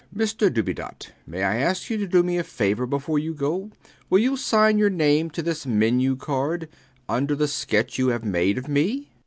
Mr Dubedat: may I ask you to do me a favor before you go. Will you sign your name to this menu card, under the sketch you have made of me? WALPOLE.